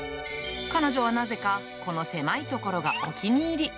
彼女はなぜか、この狭い所がお気に入り。